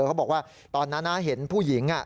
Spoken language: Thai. เขาบอกว่าตอนนั้นเห็นผู้หญิง